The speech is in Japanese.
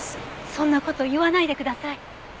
そんな事言わないでください。